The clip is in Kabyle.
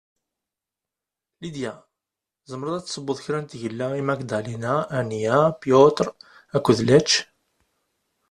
Lidia, tezemreḍ ad tessewweḍ kra n tgella i Magdalena, Ania, Piotr akked Lech?